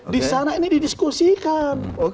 di sana ini didiskusikan